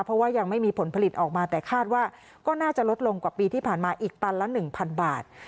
เพราะว่ายังไม่มีผลผลิตออกมาแต่คาดว่าก็น่าจะลดลงกว่าปีที่ผ่านมาอีกตันละ๑๐๐บาท